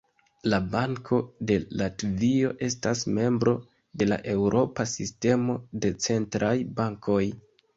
La Banko de Latvio estas membro de la Eŭropa Sistemo de Centraj Bankoj.